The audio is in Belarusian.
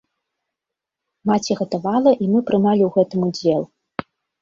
Маці гатавала, і мы прымалі ў гэтым удзел.